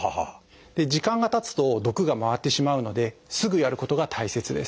で時間がたつと毒が回ってしまうのですぐやることが大切です。